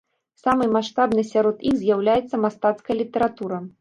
Самай маштабнай сярод іх з'яўляецца мастацкая літаратура.